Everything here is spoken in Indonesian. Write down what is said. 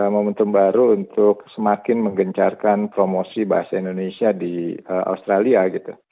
momentum baru untuk semakin menggencarkan promosi bahasa indonesia di australia gitu